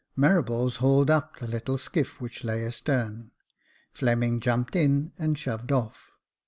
Marables hauled up the little skiff which lay astern. Fleming jumped in and shoved off.